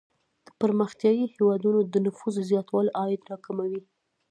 د پرمختیايي هیوادونو د نفوسو زیاتوالی عاید را کموي.